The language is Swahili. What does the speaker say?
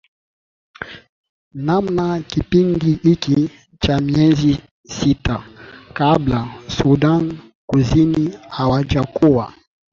namna kipindi hiki cha miezi sita kabla sudan kusini hawajakuwa